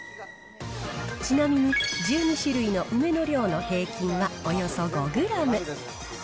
ちなみに、１２種類の梅の量の平均は、およそ５グラム。